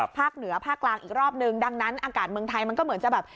ภาคเหนือภาคกลางอีกรอบนึงดังนั้นอากาศเมืองไทยมันก็เหมือนจะแบบ